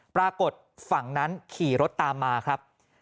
ปรากฏฝั่งนั้นขี่รถตามมาครับ